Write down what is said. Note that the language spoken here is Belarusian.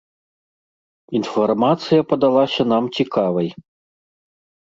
Інфармацыя падалася нам цікавай.